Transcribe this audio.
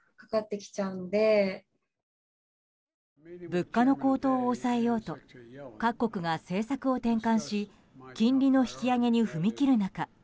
物価の高騰を抑えようと各国が政策を転換し金利の引き上げに踏み切る中